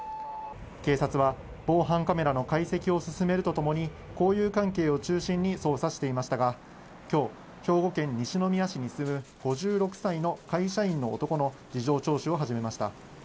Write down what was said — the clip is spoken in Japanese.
警察は防犯カメラの解析を進めるとともに、交友関係を中心に捜査していましたが、きょう、兵庫県西宮市に住む５６歳の会社員の男の事情聴取を始めました。